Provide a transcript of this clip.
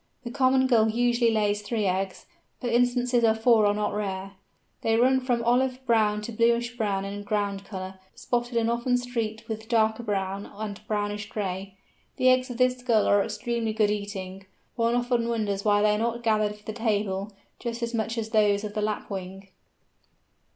The Common Gull usually lays three eggs, but instances of four are not rare. They run from olive brown to buffish brown in ground colour, spotted and often streaked with darker brown and brownish gray. The eggs of this Gull are extremely good eating. One often wonders why they are not gathered for the table, just as much as those of the Lapwing.